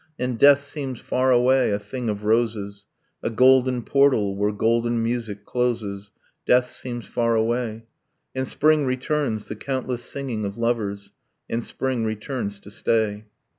And death seems far away, a thing of roses, A golden portal, where golden music closes, Death seems far away: And spring returns, the countless singing of lovers, And spring returns to stay.